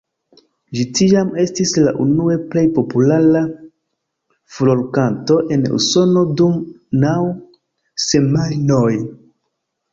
Ĝi tiam estis la unue plej populara furorkanto en Usono dum naŭ semajnoj.